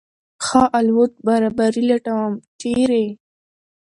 ښه الوت برابري لټوم ، چېرې ؟